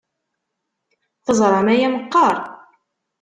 Teẓram aya meqqar?